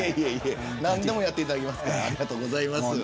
何でもやっていただきますから。